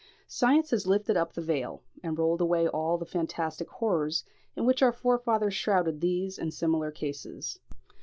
Science has lifted up the veil, and rolled away all the fantastic horrors in which our forefathers shrouded these and similar cases.